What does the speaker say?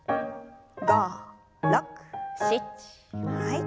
５６７はい。